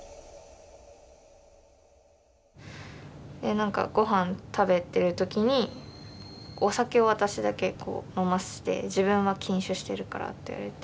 なんかご飯食べてる時にお酒を私だけ飲ませて自分は禁酒してるからって言われて。